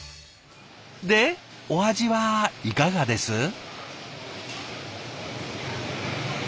でお味はいかがです？